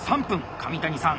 上谷さん